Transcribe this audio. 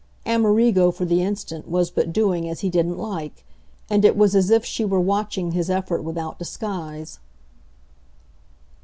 Amerigo, for the instant, was but doing as he didn't like, and it was as if she were watching his effort without disguise.